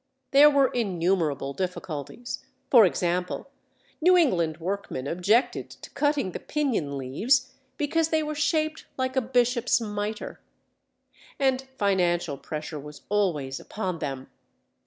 There were innumerable difficulties. For example, New England workmen objected to cutting the pinion leaves because they were shaped like a bishop's miter. And financial pressure was always upon them.